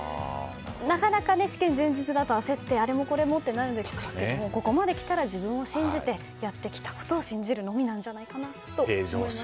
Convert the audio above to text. なかなか試験前日だと焦ってあれもこれもってなりますけどここまで来たら自分を信じてやってきたことを信じるのみなんじゃないかと思います。